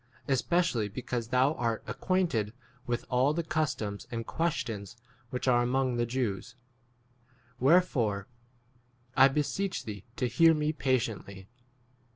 3 especially because thou art ac quainted with all the customs and questions which are among the Jews ; wherefore I beseech thee to 4 hear me patiently.